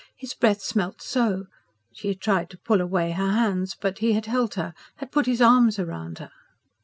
His breath smelt so." She had tried to pull away her hands; but he had held her, had put his arms round her.